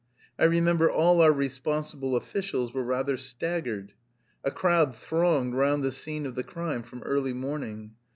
I remember all our responsible officials were rather staggered. A crowd thronged round the scene of the crime from early morning.